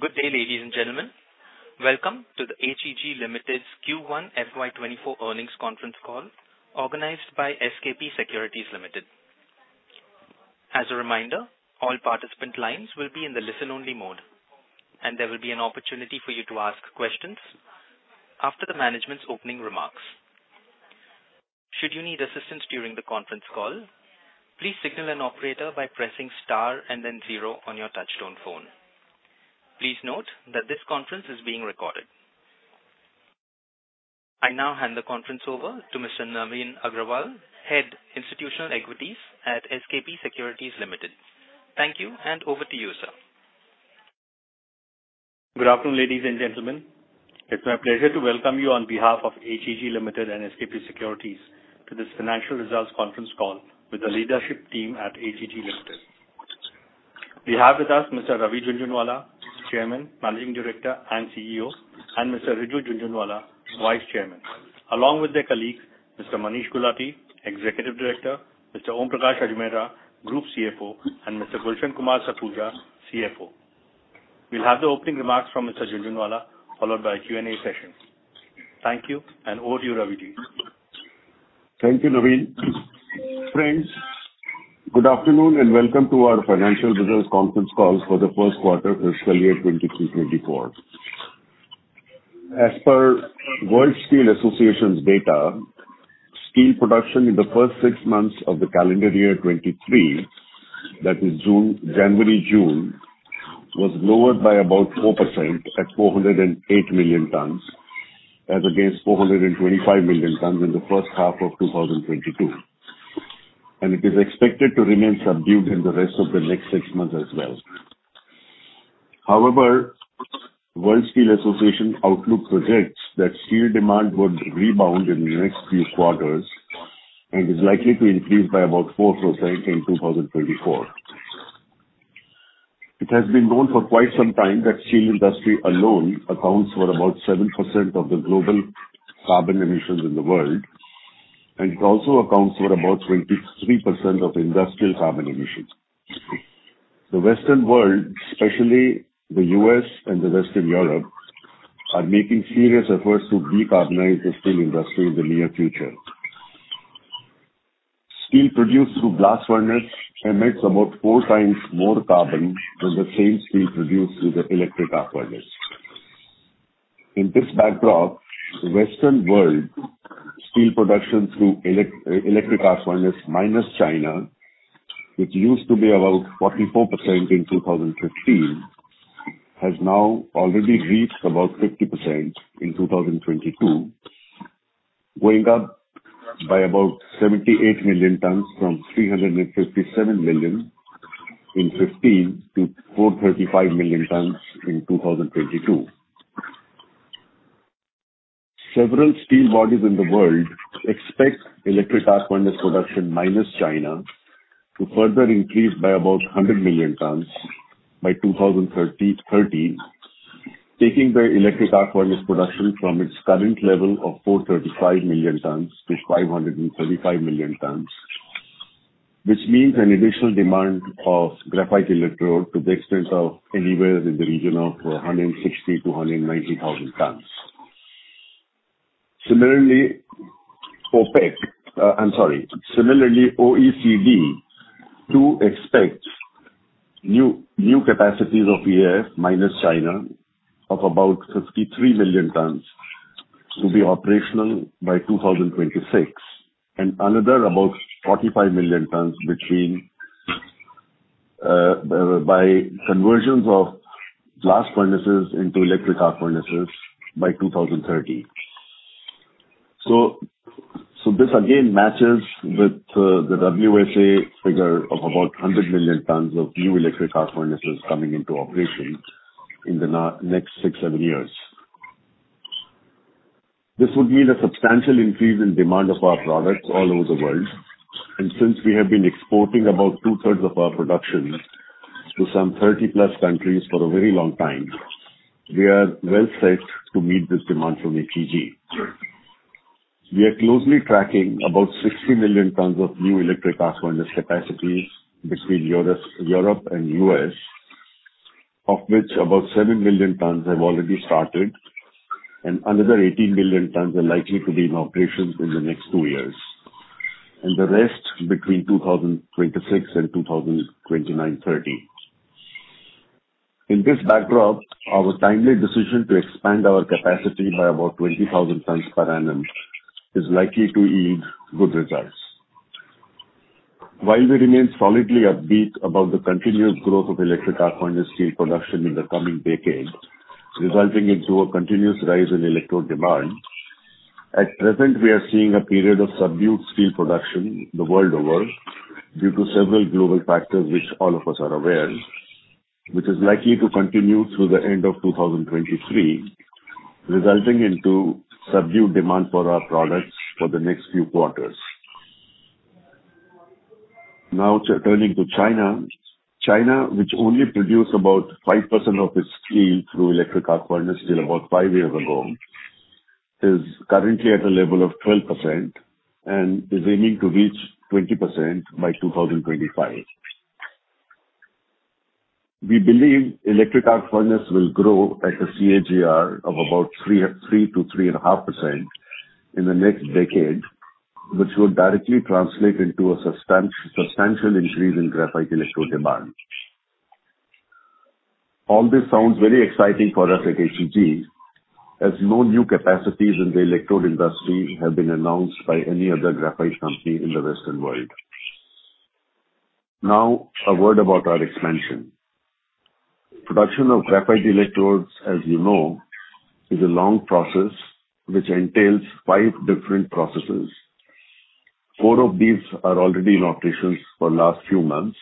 Good day, ladies and gentlemen. Welcome to the HEG Limited's Q1 FY24 earnings conference call, organized by SKP Securities Limited. As a reminder, all participant lines will be in the listen-only mode, and there will be an opportunity for you to ask questions after the management's opening remarks. Should you need assistance during the conference call, please signal an operator by pressing Star and then 0 on your touchtone phone. Please note that this conference is being recorded. I now hand the conference over to Mr. Navin Agrawal, Head, Institutional Equities at SKP Securities Limited. Thank you, and over to you, sir. Good afternoon, ladies and gentlemen. It's my pleasure to welcome you on behalf of HEG Limited and SKP Securities to this financial results conference call with the leadership team at HEG Limited. We have with us Mr. Ravi Jhunjhunwala, Chairman, Managing Director, and CEO, and Mr. Riju Jhunjhunwala, Vice Chairman, along with their colleague, Mr. Manish Gulati, Executive Director, Mr. Om Prakash Ajmera, Group CFO, and Mr. Gulshan Kumar Sakhuja, CFO. We'll have the opening remarks from Mr. Jhunjhunwala, followed by a Q&A session. Thank you, and over to you, Ravi Ji. Thank you, Navin. Friends, good afternoon, and welcome to our financial results conference call for the Q1 of fiscal year 2023, 2024. As per World Steel Association's data, steel production in the first six months of the calendar year 2023, that is January, June, was lowered by about 4% at 408 million tons, as against 425 million tons in the first half of 2022. It is expected to remain subdued in the rest of the next six months as well. However, World Steel Association outlook projects that steel demand would rebound in the next few quarters and is likely to increase by about 4% in 2024. It has been known for quite some time that steel industry alone accounts for about 7% of the global carbon emissions in the world, and it also accounts for about 23% of industrial carbon emissions. The Western world, especially the U.S. and the Western Europe, are making serious efforts to decarbonize the steel industry in the near future. Steel produced through blast furnace emits about 4 times more carbon than the same steel produced through the electric arc furnace. In this backdrop, Western world steel production through electric arc furnace, minus China, which used to be about 44% in 2015, has now already reached about 50% in 2022, going up by about 78 million tons from 357 million in 2015 to 435 million tons in 2022. Several steel bodies in the world expect electric arc furnace production, minus China, to further increase by about 100 million tons by 2030, taking the electric arc furnace production from its current level of 435 million tons to 535 million tons. Which means an additional demand of graphite electrode to the extent of anywhere in the region of 160,000-190,000 tons. Similarly, OPEC... I'm sorry. Similarly, OECD do expect new, new capacities of EAF, minus China, of about 53 million tons to be operational by 2026, and another about 45 million tons, which mean, by conversions of blast furnaces into electric arc furnaces by 2030. This again matches with the WSA figure of about 100 million tons of new electric arc furnaces coming into operation in the next 6-7 years. This would mean a substantial increase in demand of our products all over the world, and since we have been exporting about two-thirds of our production to some 30+ countries for a very long time, we are well set to meet this demand from HEG. We are closely tracking about 60 million tons of new electric arc furnace capacities between Europe, Europe and US, of which about 7 million tons have already started, and another 18 million tons are likely to be in operation in the next 2 years, and the rest between 2026 and 2029-30. In this backdrop, our timely decision to expand our capacity by about 20,000 tons per annum is likely to yield good results. While we remain solidly upbeat about the continuous growth of electric arc furnace steel production in the coming decade, resulting into a continuous rise in electrode demand, at present, we are seeing a period of subdued steel production the world over due to several global factors, which all of us are aware, which is likely to continue through the end of 2023, resulting into subdued demand for our products for the next few quarters. Now turning to China. China, which only produced about 5% of its steel through electric arc furnaces till about 5 years ago, is currently at a level of 12%, and is aiming to reach 20% by 2025. We believe electric arc furnace will grow at a CAGR of about 3-3.5% in the next decade, which will directly translate into a substantial increase in graphite electrode demand. All this sounds very exciting for us at HEG, as no new capacities in the electrode industry have been announced by any other graphite company in the Western world. Now, a word about our expansion. Production of graphite electrodes, as you know, is a long process which entails 5 different processes. 4 of these are already in operations for last few months,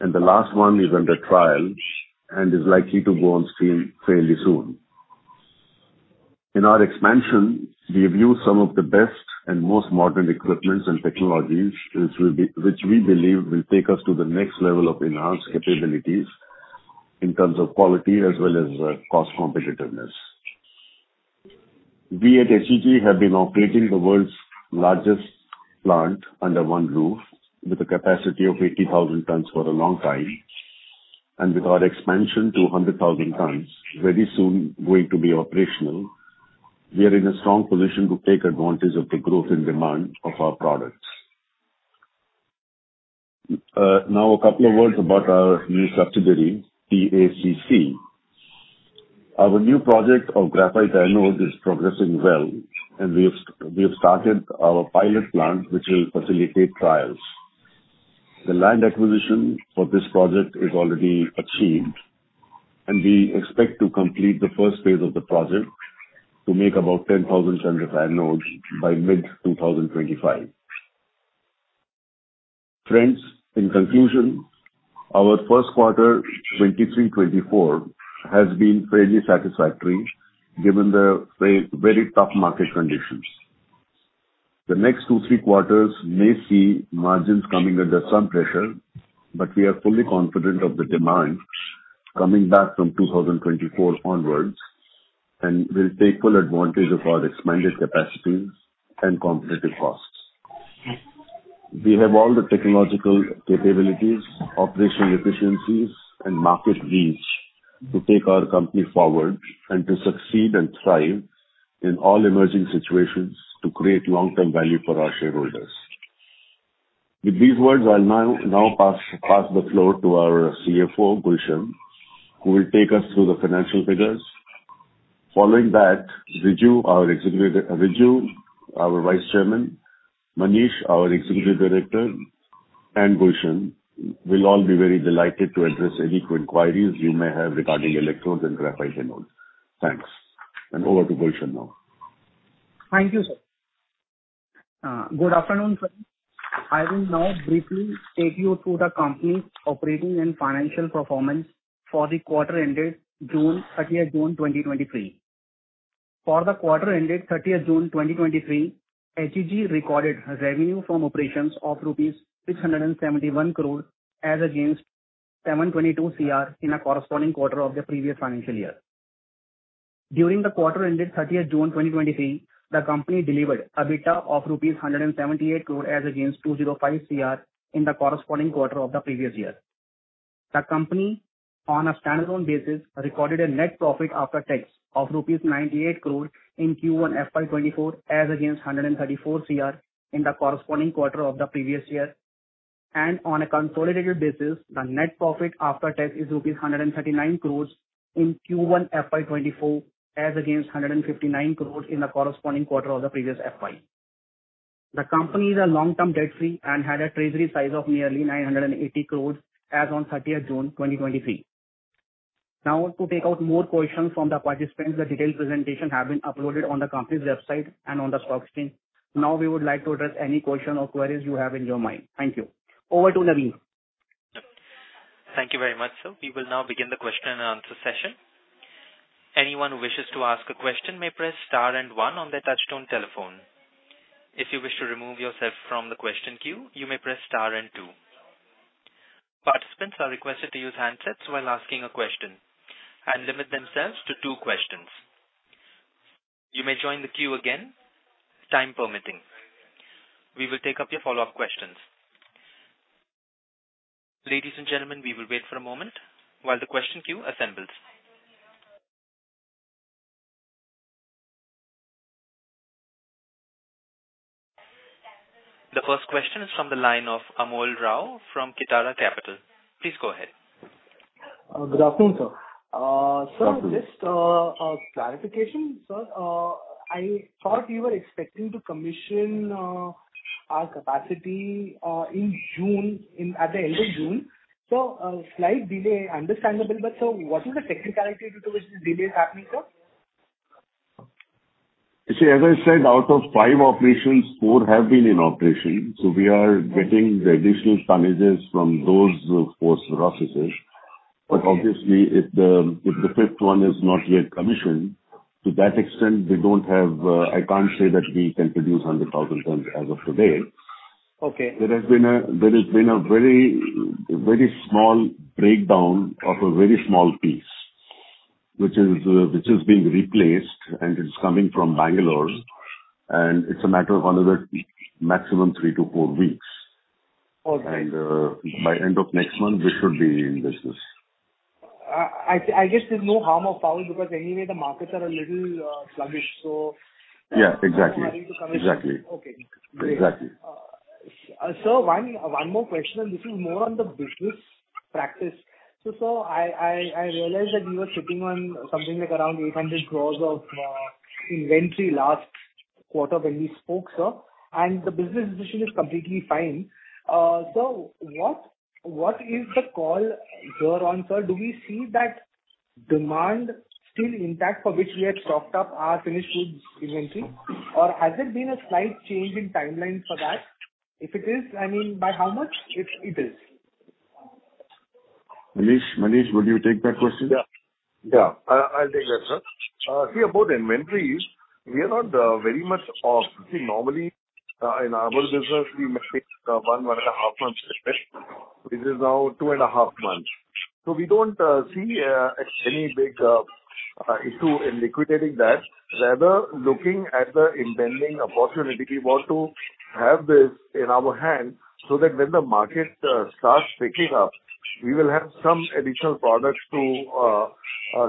and the last one is under trial and is likely to go on stream fairly soon. In our expansion, we have used some of the best and most modern equipments and technologies, which we believe will take us to the next level of enhanced capabilities in terms of quality as well as cost competitiveness. We at HEG have been operating the world's largest plant under one roof, with a capacity of 80,000 tons for a long time. With our expansion to 100,000 tons very soon going to be operational, we are in a strong position to take advantage of the growth in demand of our products. Now, a couple of words about our new subsidiary, TADS. Our new project of graphite anodes is progressing well, and we have started our pilot plant, which will facilitate trials. The land acquisition for this project is already achieved, and we expect to complete the Phase 1 of the project to make about 10,000 tons of anodes by mid-2025. Friends, in conclusion, our Q1, 2023, 2024, has been fairly satisfactory given the very, very tough market conditions. The next 2, 3 quarters may see margins coming under some pressure, but we are fully confident of the demand coming back from 2024 onwards, and we'll take full advantage of our expanded capacities and competitive costs. We have all the technological capabilities, operational efficiencies, and market reach to take our company forward and to succeed and thrive in all emerging situations to create long-term value for our shareholders. With these words, I'll now pass the floor to our CFO, Gulshan, who will take us through the financial figures. Following that, Riju, our Vice Chairman, Manish, our Executive Director, and Gulshan will all be very delighted to address any queries you may have regarding electrodes and graphite anodes. Thanks, and over to Gulshan now. Thank you, sir. Good afternoon, sir. I will now briefly take you through the company's operating and financial performance for the quarter ended June, 30th June, 2023. For the quarter ended 30th June, 2023, HEG recorded revenue from operations of rupees 671 crore, as against 722 crore in a corresponding quarter of the previous financial year. During the quarter ended 30th June, 2023, the company delivered EBITDA of rupees 178 crore, as against 205 crore in the corresponding quarter of the previous year. The company, on a standalone basis, recorded a net profit after tax of rupees 98 crore in Q1 FY24, as against 134 crore in the corresponding quarter of the previous year. On a consolidated basis, the net profit after tax is rupees 139 crore in Q1 FY24, as against 159 crore in the corresponding quarter of the previous FY. The company is long-term debt free and had a treasury size of nearly 980 crore as on June 30, 2023. To take out more questions from the participants, the detailed presentation have been uploaded on the company's website and on the stock exchange. We would like to address any question or queries you have in your mind. Thank you. Over to Navin. Thank you very much, sir. We will now begin the question and answer session. Anyone who wishes to ask a question may press star one on their touchtone telephone. If you wish to remove yourself from the question queue, you may press star two. Participants are requested to use handsets while asking a question and limit themselves to two questions. You may join the queue again, time permitting. We will take up your follow-up questions. Ladies and gentlemen, we will wait for a moment while the question queue assembles. The first question is from the line of Amol Rao from Kotak Capital. Please go ahead. Good afternoon, sir. Sir, just, a clarification, sir. I thought you were expecting to commission, our capacity, in June, at the end of June. A slight delay, understandable, but sir, what is the technicality due to which this delay is happening, sir? You see, as I said, out of five operations, four have been in operation, so we are getting the additional tonnages from those four processes. Obviously, if the, if the fifth one is not yet commissioned, to that extent we don't have, I can't say that we can produce 100,000 tons as of today. Okay. There has been a, there has been a very, very small breakdown of a very small piece, which is, which is being replaced, and it's coming from Bangalore, and it's a matter of another maximum three to four weeks. Okay. By end of next month, we should be in business. I, I guess there's no harm or foul, because anyway the markets are a little sluggish, so... Yeah, exactly. No hurry to come in. Exactly. Okay, great. Exactly. Sir, one, one more question, and this is more on the business practice. I, I, I realized that you were sitting on something like around 800 crore of inventory last quarter when we spoke, sir, and the business decision is completely fine. What, what is the call here on, sir? Do we see that demand still intact for which we had stocked up our finished goods inventory? Has there been a slight change in timeline for that? If it is, I mean, by how much it, it is? Manish, Manish, would you take that question? Yeah. Yeah, I, I'll take that, sir. See, about inventory, we are not very much off. See, normally, in our business, we maintain one, 1.5 months inventory, which is now 2.5 months. We don't see any big issue in liquidating that. Rather, looking at the impending opportunity, we want to have this in our hand, so that when the market starts picking up, we will have some additional products to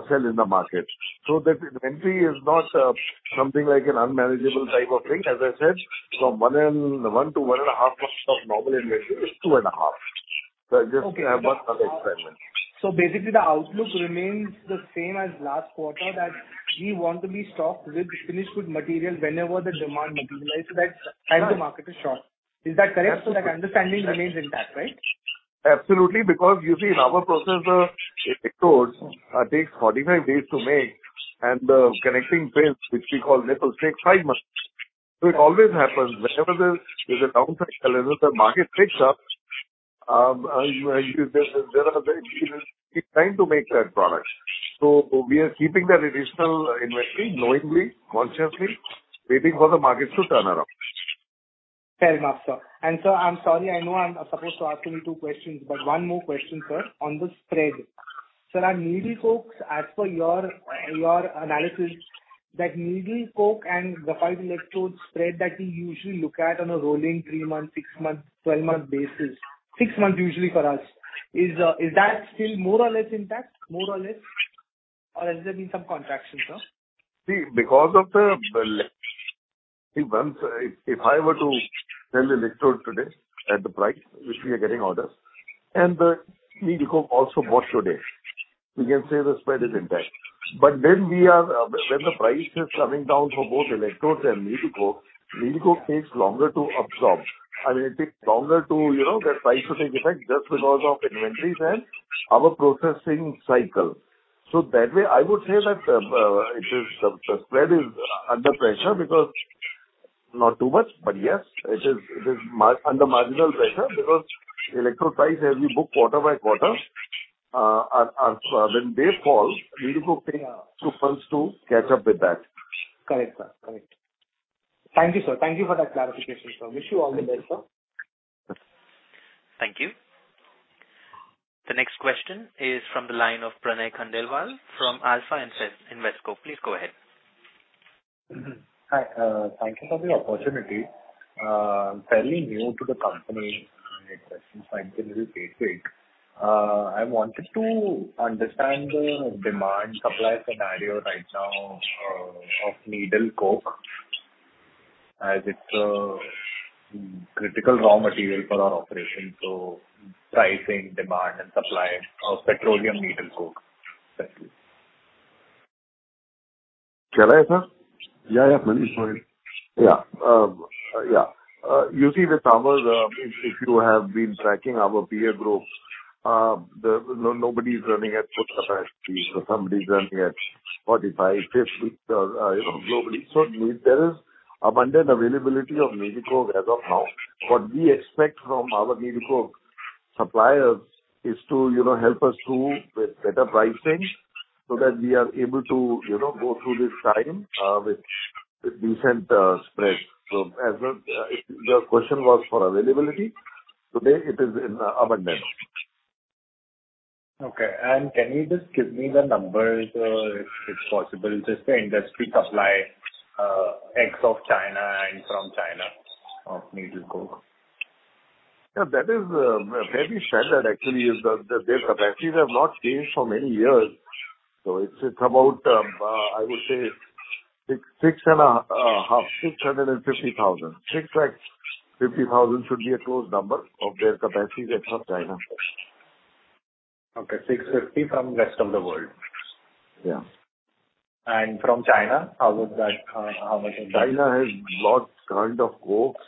sell in the market. That inventory is not something like an unmanageable type of thing. As I said, from one to 1.5 months of normal inventory, it's 2.5. Just to have one other experiment. Basically, the outlook remains the same as last quarter, that we want to be stocked with finished goods material whenever the demand materializes, and the market is short. Is that correct? That understanding remains intact, right? Absolutely. You see, in our processor, it takes those, takes 45 days to make, and the connecting phase, which we call metal, takes 5 months. It always happens. Whenever there's, there's a downside calendar, the market picks up. It's time to make that product. We are keeping that additional inventory knowingly, consciously, waiting for the markets to turn around. Fair enough, sir. Sir, I'm sorry, I know I'm supposed to ask only two questions, but one more question, sir, on the spread. Sir, are needle cokes as per your, your analysis, that needle coke and graphite electrode spread that we usually look at on a rolling three-month, six-month, twelve-month basis, six months usually for us, is, is that still more or less intact? More or less, or has there been some contraction, sir? Because of the, if I were to sell the electrode today at the price which we are getting orders, and the needle coke also bought today, we can say the spread is intact. We are. When the price is coming down for both electrodes and needle coke, needle coke takes longer to absorb. I mean, it takes longer to, you know, get price to take effect just because of inventories and our processing cycle. That way, I would say that, it is, the, the spread is under pressure. Not too much, but yes, it is under marginal pressure, because electrode price, as we book quarter by quarter, are, are, when they fall, needle coke takes 2 quarters to catch up with that. Correct, sir. Correct. Thank you, sir. Thank you for that clarification, sir. Wish you all the best, sir. Thank you. The next question is from the line of Pranay Khandelwal from Alpha Invesco. Please go ahead. Hi, thank you for the opportunity. Fairly new to the company, and it seems like a little bit late. I wanted to understand the demand-supply scenario right now, of needle coke, as it's a critical raw material for our operation, so pricing, demand and supply of petroleum needle coke. Thank you. Can I, sir? Yeah, yeah, Manish. Sorry. Yeah, yeah. You see with our, if, if you have been tracking our peer groups, nobody's running at full capacity. Somebody's running at 45, 50, you know, globally. There is abundant availability of needle coke as of now. What we expect from our needle coke suppliers is to, you know, help us through with better pricing so that we are able to, you know, go through this time, with, with decent spread. As well, if your question was for availability, today it is in abundance. Okay. Can you just give me the numbers, if it's possible, just the industry supply, ex of China and from China of needle coke? Yeah, that is very standard actually, is the, the capacities have not changed for many years. It's, it's about, I would say six, six and a, a half, 650,000. 650,000 should be a close number of their capacities across China. Okay, 650 from rest of the world. Yeah. From China, how is that, how much in China? China has lots kind of cokes,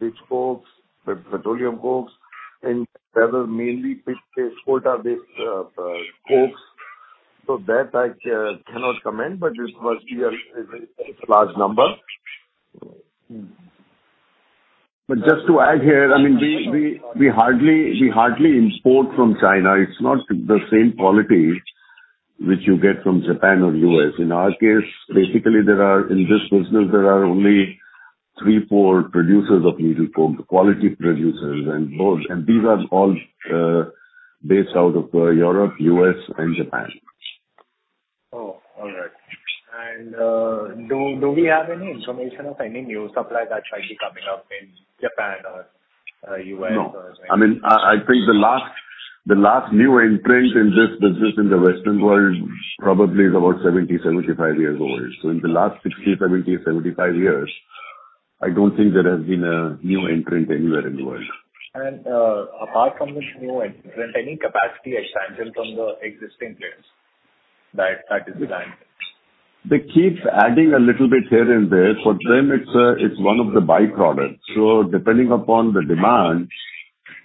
pitch cokes, the petroleum cokes, and there are mainly pitch-based, coal-based cokes. That I cannot comment, but it must be a, a large number. Just to add here, I mean, we hardly, we hardly import from China. It's not the same quality which you get from Japan or U.S. In our case, basically, there are, in this business, there are only three, four producers of needle coke, quality producers, and those-- and these are all based out of Europe, U.S., and Japan. Oh, all right. Do, do we have any information of any new suppliers that might be coming up in Japan or, U.S. or anything? No. I mean, I, I think the last, the last new entrant in this business in the Western world probably is about 70, 75 years old. In the last 60, 70, 75 years, I don't think there has been a new entrant anywhere in the world. Apart from this new entrant, any capacity expansion from the existing players that, that is there? They keep adding a little bit here and there. For them, it's, it's one of the by-products. Depending upon the demand,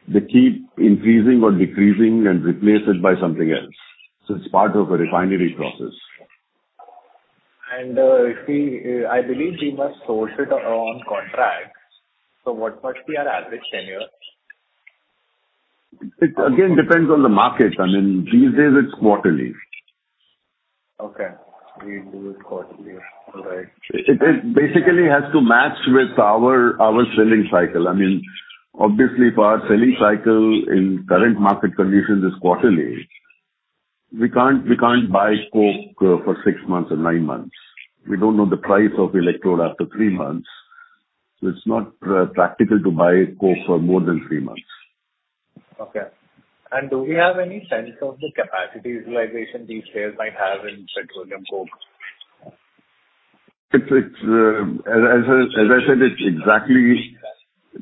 they keep increasing or decreasing and replace it by something else. It's part of a refinery process. See, I believe we must source it on contract, so what might be our average tenure? It again depends on the market. I mean, these days it's quarterly. Okay. We do it quarterly. All right. It basically has to match with our selling cycle. I mean, obviously, if our selling cycle in current market conditions is quarterly, we can't buy coke for six months or nine months. We don't know the price of electrode after three months, so it's not practical to buy coke for more than three months. Do we have any sense of the capacity utilization these players might have in petroleum coke? It's, it's, as I, as I said, it's exactly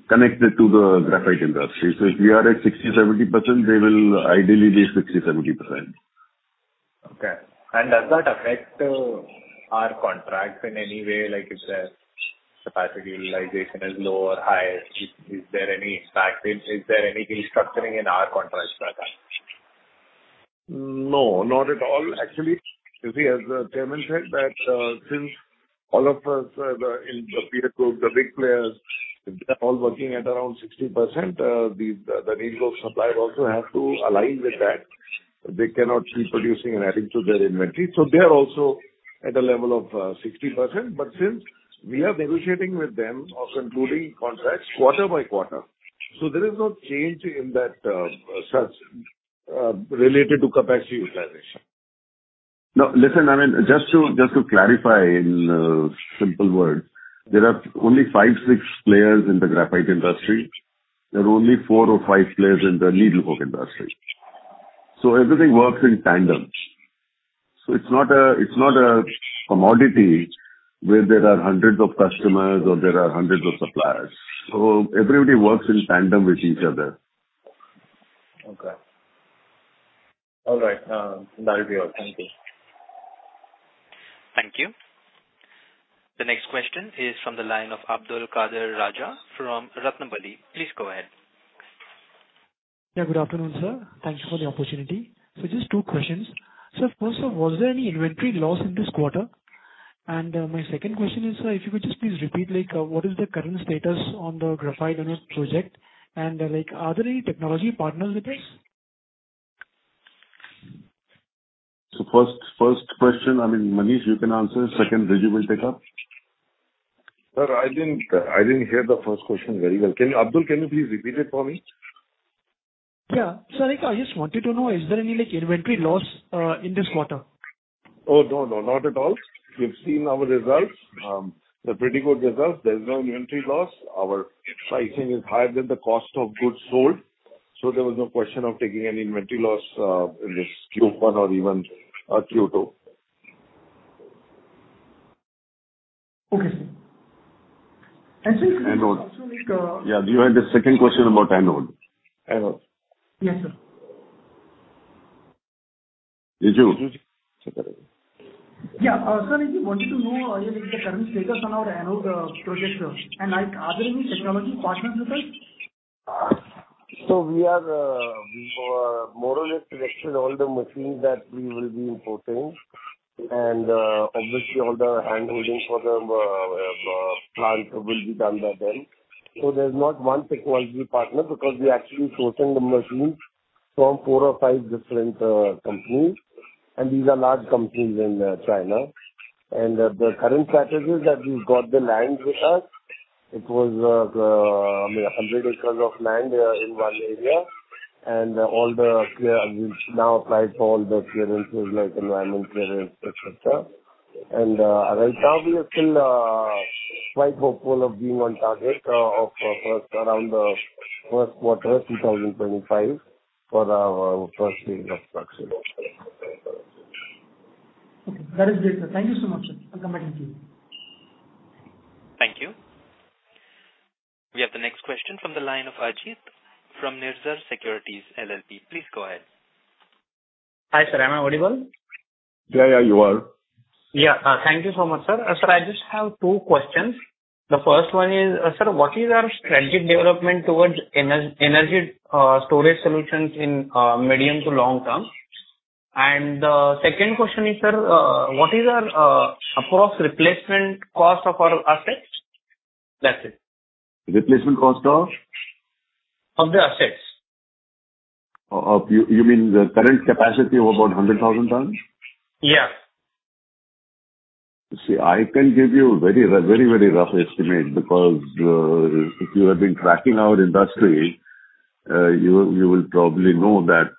connected to the graphite industry. If we are at 60%-70%, they will ideally be 60%-70%. Okay. Does that affect our contracts in any way? Like, if the capacity utilization is low or high, is, is there any impact? Is, is there any restructuring in our contracts like that? No, not at all. Actually, you see, as the chairman said, that since all of us, the, in the peer group, the big players, they're all working at around 60%, the, the needle coke supplier also has to align with that. They cannot keep producing and adding to their inventory. They are also at a level of 60%. Since we are negotiating with them of including contracts quarter by quarter, so there is no change in that sense related to capacity utilization. No. Listen, I mean, just to, just to clarify in simple words, there are only five, six players in the graphite industry. There are only four or five players in the needle coke industry. Everything works in tandem. It's not a, it's not a commodity where there are hundreds of customers or there are hundreds of suppliers. Everybody works in tandem with each other. Okay. All right, that would be all. Thank you. Thank you. The next question is from the line of Abdul Kader Raja from Ratnabali. Please go ahead. Yeah, good afternoon, sir. Thank you for the opportunity. Just two questions. First, sir, was there any inventory loss in this quarter? My second question is, sir, if you could just please repeat, like, what is the current status on the graphite anode project? Like, are there any technology partners with this? first, first question, I mean, Manish, you can answer. Second, Riavi will take up. Sir, I didn't, I didn't hear the first question very well. Can you... Abdul, can you please repeat it for me? Yeah. Sir, like, I just wanted to know, is there any, like, inventory loss, in this quarter? Oh, no, no, not at all. You've seen our results. They're pretty good results. There's no inventory loss. Our pricing is higher than the cost of goods sold, so there was no question of taking any inventory loss, in this Q1 or even, Q2. Okay, sir. Sir, can you also, like- Yeah, you had a second question about anode. Anode. Yes, sir. Riju? Yeah. Sir, I just wanted to know, like, the current status on our anode project, sir, and, like, are there any technology partners with us? We are, we more or less selected all the machines that we will be importing. Obviously all the handholding for the plant will be done by them. There's not one technology partner, because we're actually sourcing the machines from four or five different companies, and these are large companies in China. The current status is that we've got the lands with us. It was maybe 100 acres of land in one area. All the clear- We've now applied for all the clearances, like environmental clearance, et cetera. Right now, we are still quite hopeful of being on target of first around the Q1 of 2025 for our first phase of production. Okay. That is great, sir. Thank you so much, sir. I'll come back to you. Thank you. We have the next question from the line of Ajit from Nirmal Bang Securities LLP. Please go ahead. Hi, sir. Am I audible? Yeah, yeah, you are. Yeah. Thank you so much, sir. Sir, I just have 2 questions. The first one is, sir, what is our strategic development towards energy storage solutions in medium to long term? The second question is, sir, what is our approximate replacement cost of our assets? That's it. Replacement cost of? of the assets? You, you mean the current capacity of about 100,000 tons? Yeah. See, I can give you a very, very, very rough estimate, because if you have been tracking our industry, you, you will probably know that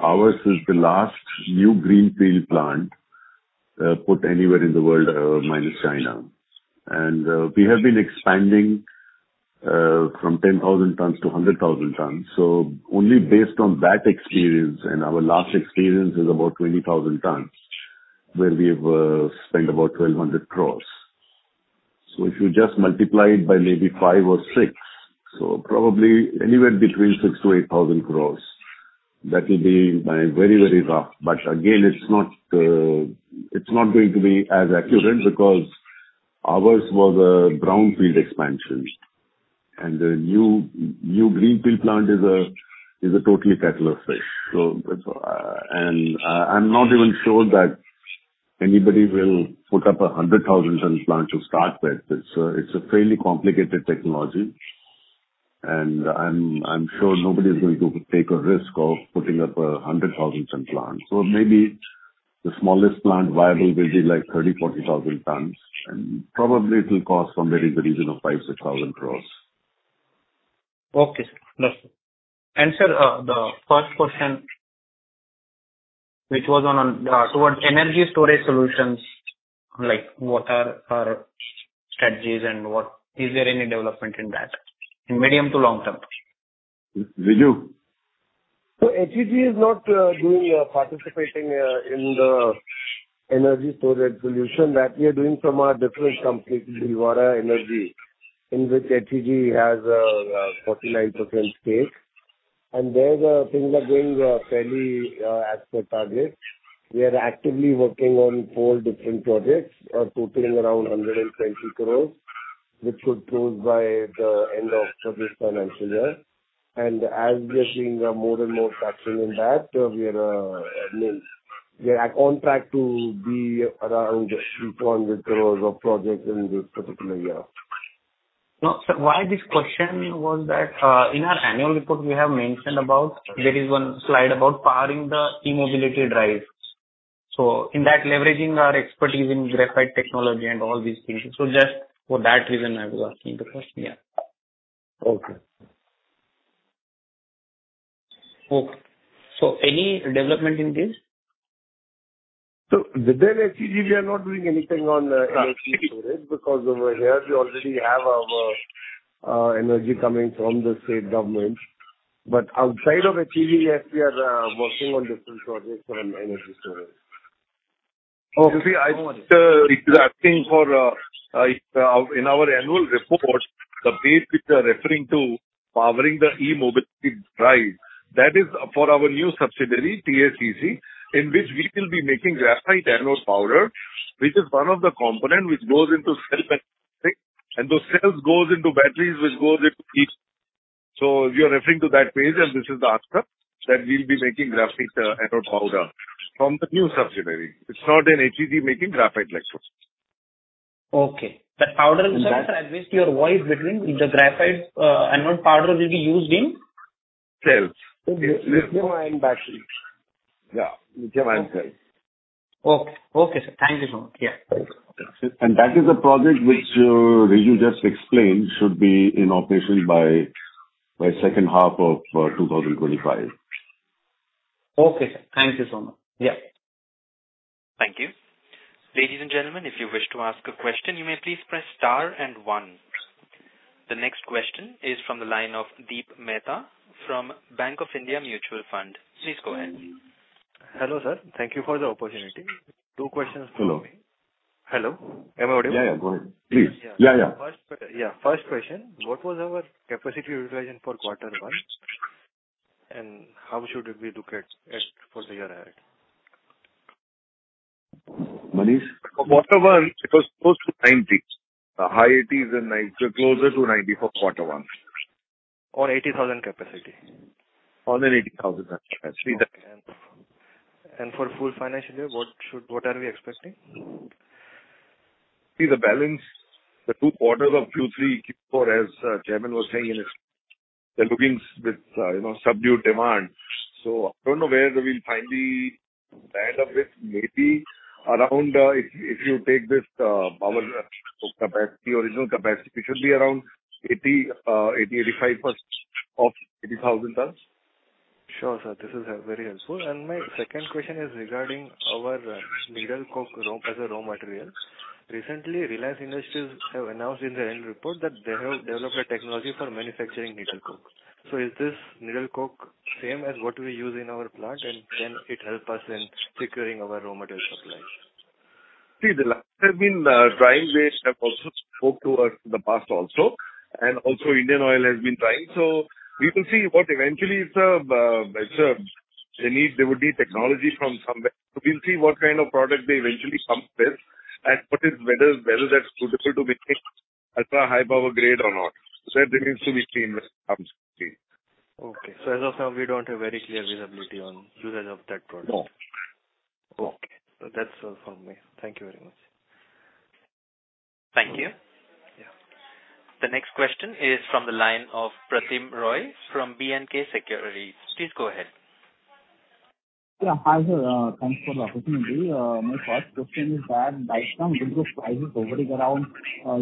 ours is the last new greenfield plant put anywhere in the world, minus China. We have been expanding from 10,000 tons to 100,000 tons. Only based on that experience, and our last experience is about 20,000 tons, where we've spent about 1,200 crore. If you just multiply it by maybe 5 or 6, probably anywhere between 6,000-8,000 crore, that will be my very, very rough. Again, it's not, it's not going to be as accurate, because ours was a brownfield expansion, and the new, new greenfield plant is a, is a totally different space. I'm not even sure that anybody will put up a 100,000-ton plant to start with. It's a fairly complicated technology, and I'm sure nobody is going to take a risk of putting up a 100,000-ton plant. Maybe the smallest plant viable will be like 30,000-40,000 tons, and probably it will cost somewhere in the region of 5,000-6,000 crore. Okay, sir. Got you. Sir, the first question, which was on towards energy storage solutions, like, what are our strategies and what is there any development in that, in medium to long term? Riju? HEG is not doing participating in the energy storage solution. That we are doing from our different company, Bhilwara Energy, in which HEG has a 49% stake, and there the things are going fairly as per target. We are actively working on 4 different projects, totaling around 120 crore, which could close by the end of this financial year. And as we are seeing more and more traction in that, we are, means we are on track to be around 200 crore of projects in this particular year. No, sir, why this question was that, in our annual report we have mentioned about there is one slide about powering the e-mobility drive. In that, leveraging our expertise in graphite technology and all these things. Just for that reason, I was asking the question. Yeah. Okay. Okay. Any development in this? Within HEG, we are not doing anything on energy storage, because over here we already have our energy coming from the state government. Outside of HEG, yes, we are working on different projects on energy storage. Oh, see, I think, it's acting for, in our annual report, the page which you are referring to, powering the E-mobility drive, that is for our new subsidiary, TADS, in which we will be making graphite anode powder, which is one of the component which goes into cell battery, and those cells goes into batteries, which goes into each. You're referring to that page, and this is the answer, that we'll be making graphite anode powder from the new subsidiary. It's not an HEG making graphite like so. Okay. The powder, sir, I missed your voice between. The graphite, anode powder will be used in? Cells. lithium-ion batteries. Yeah, lithium-ion cells. Okay. Okay, sir. Thank you so much. Yeah. Thank you. That is a project which, Riju just explained, should be in operation by, by second half of, 2025. Okay, sir. Thank you so much. Yeah. Thank you. Ladies and gentlemen, if you wish to ask a question, you may please press star and one. The next question is from the line of Deep Mehta from Bank of India Mutual Fund. Please go ahead. Hello, sir. Thank you for the opportunity. Two questions from me. Hello. Hello? Am I audio? Yeah, yeah, go ahead. Please. Yeah, yeah. Yeah. First question: What was our capacity utilization for Q1, and how should we look at it for the year ahead? Manish? For Q1, it was close to 90. High 80 and closer to 90 for Q1. On 80,000 capacity? On 80,000 capacity. For full financial year, what are we expecting? See, the balance, the 2 quarters of Q3, Q4, as Chairman was saying in his... They're looking with, you know, subdued demand. I don't know where we'll finally land up with. Maybe around, if, if you take this, our capacity, original capacity, it should be around 80%-85% of 80,000 tons. Sure, sir, this is very helpful. My second question is regarding our needle coke as a raw material. Recently, Reliance Industries have announced in their annual report that they have developed a technology for manufacturing needle coke. Is this needle coke same as what we use in our plant, and can it help us in securing our raw material supplies? See, the have been, trying this, have also spoke to us in the past also, and also Indian Oil has been trying. We will see what eventually it's, they need they would need technology from somewhere. We'll see what kind of product they eventually come with and what is whether, whether that's suitable to make ultra high power grade or not. That remains to be seen as it comes. Okay. As of now, we don't have very clear visibility on usage of that product? No. Okay. That's all from me. Thank you very much. Thank you. The next question is from the line of Pratim Roy from B&K Securities. Please go ahead. Yeah, hi, sir. Thanks for the opportunity. My first question is that right now, because price is hovering around,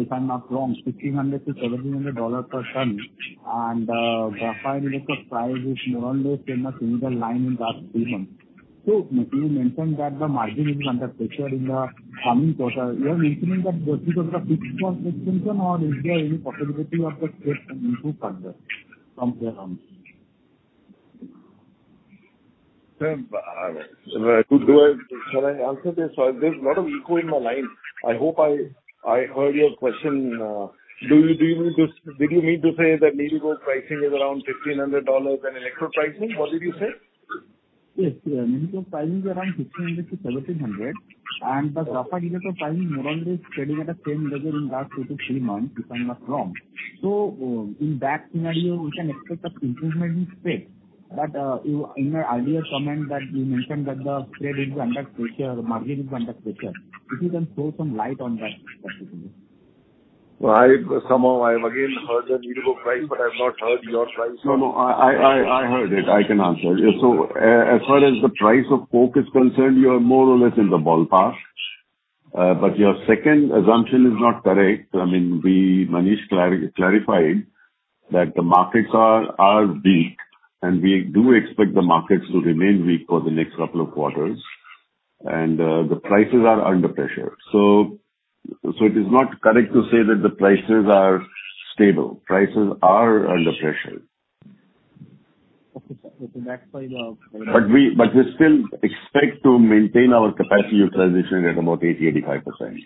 if I'm not wrong, 1,500-1,700 dollars per ton, and graphite electrode price is more or less in a similar line in last three months. You mentioned that the margin is under pressure in the coming quarter. You are mentioning that because of the fixed cost inflation, or is there any possibility of the spread can improve further from here on? Sir, could I, should I answer this? There's a lot of echo in my line. I hope I heard your question. Did you mean to say that needle coke pricing is around $1,500 and electrode pricing? What did you say? Yes, sir. Needle coke pricing is around $1,500-$1,700, the graphite electrode pricing more or less staying at the same level in last 2-3 months, if I'm not wrong. In that scenario, we can expect an improvement in spread. You in your earlier comment that you mentioned that the spread is under pressure, margin is under pressure. If you can throw some light on that, specifically. Well, I somehow I've again heard the needle coke price, but I've not heard your price. No, no, I heard it. I can answer. As far as the price of coke is concerned, you are more or less in the ballpark. Your second assumption is not correct. I mean, Manish clarified that the markets are weak, and we do expect the markets to remain weak for the next couple of quarters. The prices are under pressure. It is not correct to say that the prices are stable. Prices are under pressure. Okay, sir. the next slide. we, but we still expect to maintain our capacity utilization at about 80%-85%.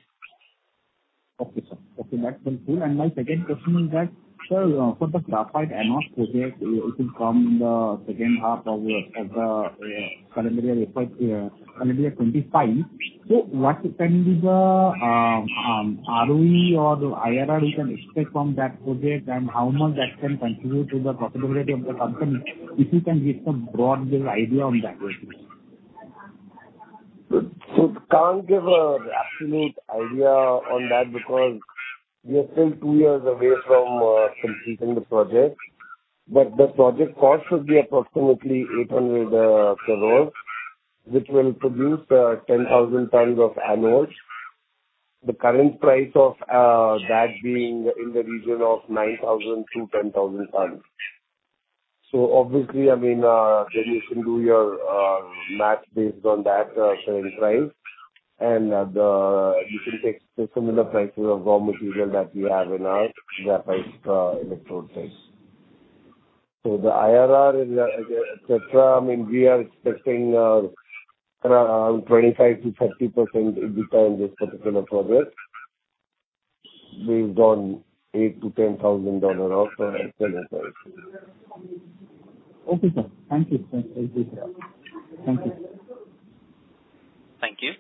Okay, sir. Okay, that's been clear. My second question is that, sir, for the graphite anode project, it will come in the second half of the current year FY, current year 25. What can be the ROE or the IRR we can expect from that project? How much that can contribute to the profitability of the company? If you can give some broad-based idea on that, please. Can't give an absolute idea on that because we are still 2 years away from completing the project. The project cost will be approximately 800 crore, which will produce 10,000 tons of anodes. The current price of that being in the region of 9,000-10,000 tons. Obviously, I mean, then you can do your math based on that current price. You can take the similar pricing of raw material that we have in our graphite electrode price. The IRR, et cetera, I mean, we are expecting around 25%-30% EBITDA on this particular project, based on 8,000-10,000 dollar also, et cetera. Okay, sir. Thank you. Thank you, sir. Thank you. Thank you.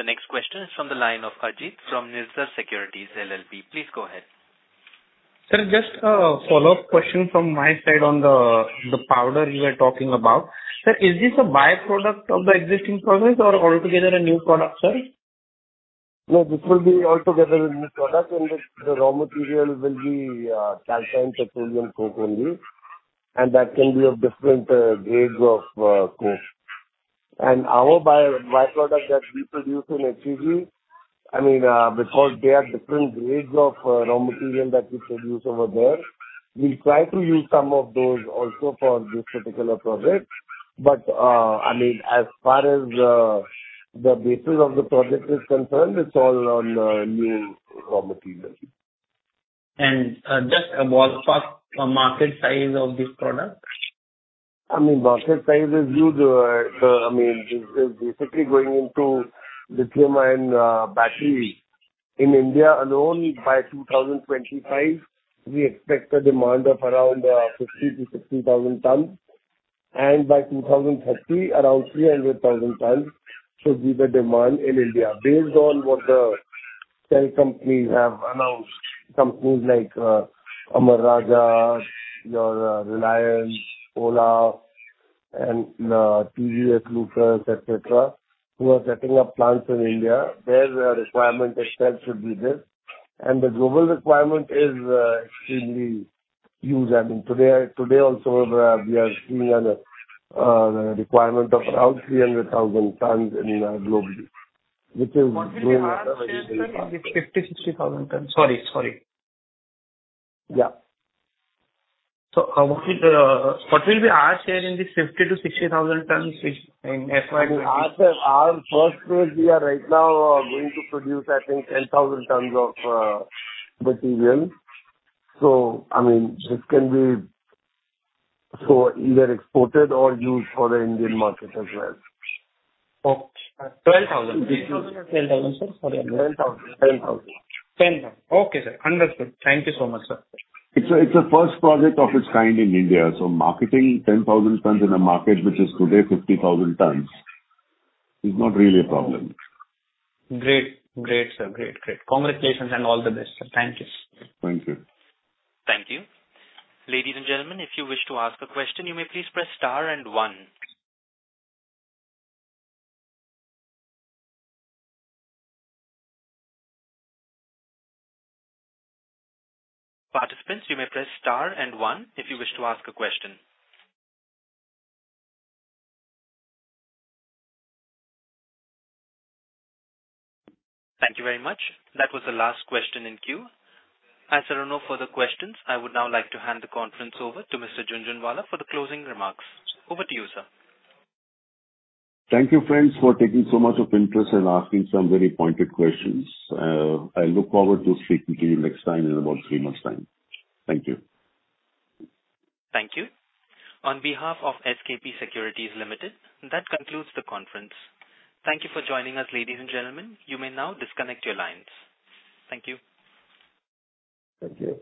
The next question is from the line of Ajit from Nirmal Bang Securities LLP. Please go ahead. Sir, just a follow-up question from my side on the powder you were talking about. Sir, is this a by-product of the existing project or altogether a new product, sir? No, this will be altogether a new product, and the, the raw material will be calcined petroleum coke only, and that can be of different grades of coke. Our by-product that we produce in HEG, I mean, because they are different grades of raw material that we produce over there, we try to use some of those also for this particular project. I mean, as far as the basis of the project is concerned, it's all on new raw material. Just a ballpark market size of this product? I mean, market size is huge. I mean, this is basically going into lithium ion battery. In India alone, by 2025, we expect a demand of around 50,000-60,000 tons. By 2030, around 300,000 tons should be the demand in India, based on what the cell companies have announced. Companies like Amara Raja, your Reliance, Ola, and Lucas TVS, et cetera, who are setting up plants in India, their requirement itself should be this. The global requirement is extremely huge. I mean, today, today also, we are seeing a requirement of around 300,000 tons in globally, which is- What will be our share in this 50,000-60,000 tons? Sorry, sorry. Yeah. What will be our share in this 50,000-60,000 tons in FY25? Our, our first project, we are right now going to produce, I think, 10,000 tons of material. I mean, this can be so either exported or used for the Indian market as well. Okay. 12,000. 12,000. 12,000, sir, sorry. 12,000. 12,000. 10,000. Okay, sir. Understood. Thank you so much, sir. It's a first project of its kind in India. Marketing 10,000 tons in a market which is today 50,000 tons is not really a problem. Great. Great, sir. Great, great. Congratulations, all the best, sir. Thank you. Thank you. Thank you. Ladies and gentlemen, if you wish to ask a question, you may please press star and one. Participants, you may press star and one if you wish to ask a question. Thank you very much. That was the last question in queue. As there are no further questions, I would now like to hand the conference over to Mr. Jhunjhunwala for the closing remarks. Over to you, sir. Thank you, friends, for taking so much of interest and asking some very pointed questions. I look forward to speaking to you next time in about three months' time. Thank you. Thank you. On behalf of SKP Securities Limited, that concludes the conference. Thank you for joining us, ladies and gentlemen. You may now disconnect your lines. Thank you. Thank you.